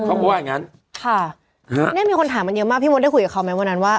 เขาก็ว่าอย่างงั้นค่ะฮะเนี่ยมีคนถามกันเยอะมากพี่มดได้คุยกับเขาไหมวันนั้นว่า